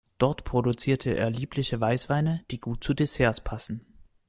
Dort produzierte er liebliche Weißweine, die gut zu Desserts passen.